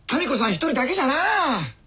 一人だけじゃなあ。